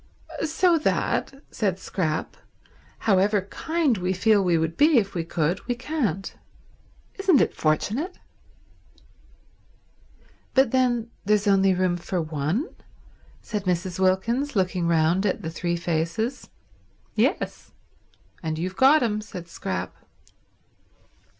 "So that," said Scrap, "However kind we feel we would be if we could, we can't. Isn't it fortunate?" "But then there's only room for one?" said Mrs. Wilkins, looking round at the three faces. "Yes—and you've got him," said Scrap.